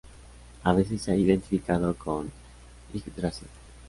A veces se ha identificado con Yggdrasil.